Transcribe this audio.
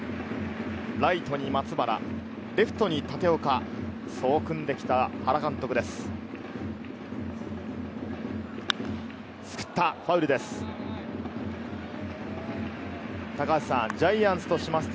ライトに松原、レフトに立岡、そう組んできた、原監督です。